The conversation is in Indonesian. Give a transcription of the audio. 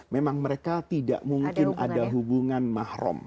memang mereka tidak mungkin ada hubungan mahrum